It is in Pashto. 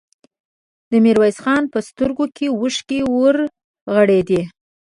د ميرويس خان په سترګو کې اوښکې ورغړېدې.